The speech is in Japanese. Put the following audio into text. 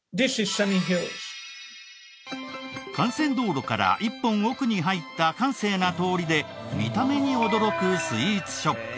幹線道路から１本奥に入った閑静な通りで見た目に驚くスイーツショップ